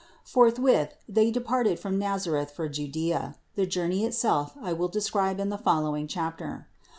Forthwith they departed from Nazareth for Judea ; the journey itself I will describe in the following chapter.